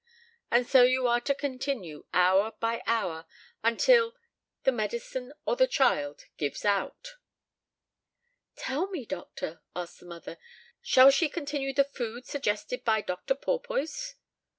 And so you are to continue hour by hour, until either the medicine or the child gives out." "Tell me, doctor," asked the mother, "shall she continue the food suggested by Dr. Porpoise?"